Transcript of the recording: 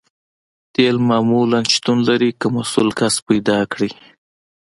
تیل معمولاً شتون لري که مسؤل کس پیدا کړئ